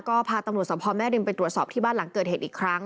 ก็พาตำรวจสภแม่ริมไปตรวจสอบที่บ้านหลังเกิดเหตุอีกครั้ง